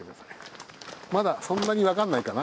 まだそんなにわかんないかな。